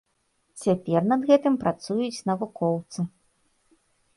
Цяпер над гэтым працуюць навукоўцы.